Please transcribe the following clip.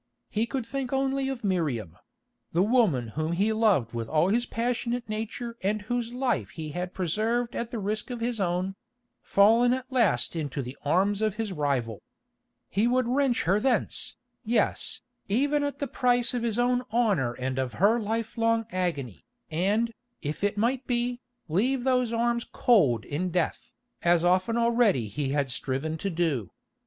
He could think only of Miriam—the woman whom he loved with all his passionate nature and whose life he had preserved at the risk of his own—fallen at last into the arms of his rival. He would wrench her thence, yes, even at the price of his own honour and of her life long agony, and, if it might be, leave those arms cold in death, as often already he had striven to do.